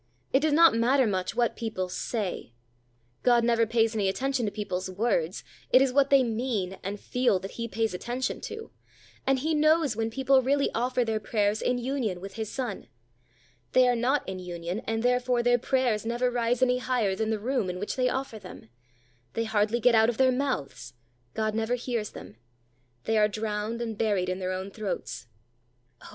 It does not matter much what people say. God never pays any attention to people's words; it is what they mean and feel that He pays attention to; and He knows when people really offer their prayers in union with His Son. They are not in union, and, therefore, their prayers never rise any higher than the room in which they offer them. They hardly get out of their mouths; God never hears them. They are drowned and buried in their own throats. Oh!